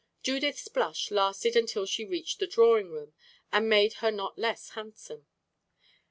Judith's blush lasted until she reached the drawing room, and made her not less handsome.